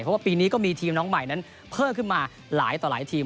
เพราะว่าปีนี้ก็มีทีมน้องใหม่นั้นเพิ่มขึ้นมาหลายต่อหลายทีม